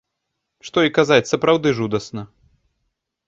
Што і казаць, сапраўды жудасна.